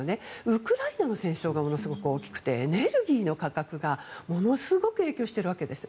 ウクライナの戦争がものすごく大きくてエネルギーの価格がものすごく影響しているわけです。